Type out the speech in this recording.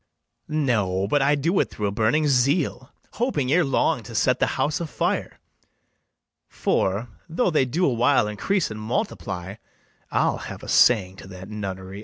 No, but I do it through a burning zeal, Hoping ere long to set the house a fire; For, though they do a while increase and multiply, I'll have a saying to that nunnery.